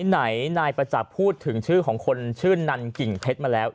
ไหนนายประจักษ์พูดถึงชื่อของคนชื่อนันกิ่งเพชรมาแล้ว